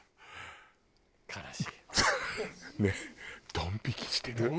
ドン引きしてるよ。